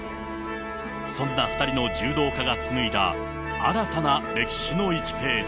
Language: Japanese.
そんな２人の柔道家が紡いだ新たな歴史の１ページ。